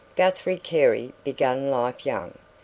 Guthrie Carey began life young.